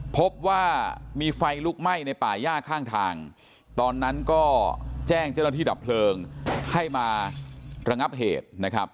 พบว่ามีไฟลุกไหม้ในป่าย่าข้างทางตอนนั้นก็แจ้งเจ้าหน้าที่ดับเพลิงให้มาระงับเหตุนะครับ